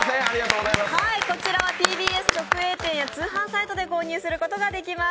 こちらはＴＢＳ直営店や通販サイトで購入することができます。